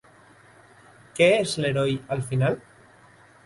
Què és l'heroi al final?